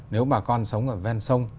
nếu bà con sống ở ven sông